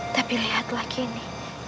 tapi lihatlah gini